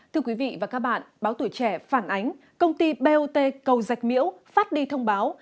thưa quý vị và các bạn báo tuổi trẻ phản ánh công ty bot cầu dạch miễu phát đi thông báo